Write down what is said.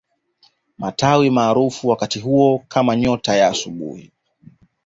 Matawi maarufu wakati huo kama nyota ya asubuhi